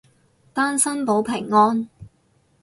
單身保平安